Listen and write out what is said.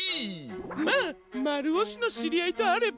まあまるおしのしりあいとあれば。